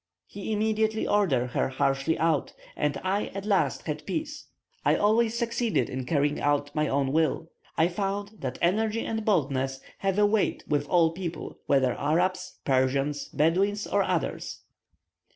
He immediately ordered her harshly out, and I at last had peace. I always succeeded in carrying out my own will. I found that energy and boldness have a weight with all people, whether Arabs, Persians, Bedouins, or others.